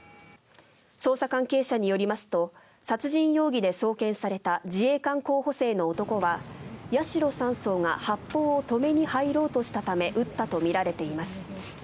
捜査関係者によりますと殺人容疑で送検された自衛官候補生の男は、八代３曹が発砲を止めに入ろうとしたため撃ったとみられています。